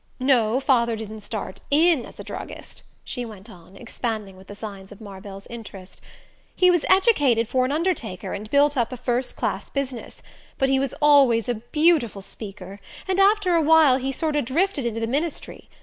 No, father didn't start IN as a druggist," she went on, expanding with the signs of Marvell's interest; "he was educated for an undertaker, and built up a first class business; but he was always a beautiful speaker, and after a while he sorter drifted into the ministry.